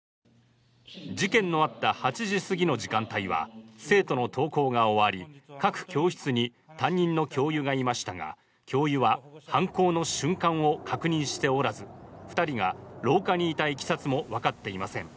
事件のあった８時すぎの時間帯は生徒の登校が終わり各教室に担任の教諭がいましたが、教諭は犯行の瞬間を確認しておらず、２人が廊下に至ったいきさつも分かっていません。